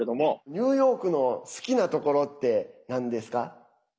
ニューヨークの好きなところってなんですか？